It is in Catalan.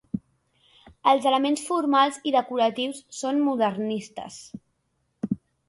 Els elements formals i decoratius són modernistes.